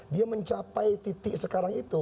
dia mencapai titik sekarang itu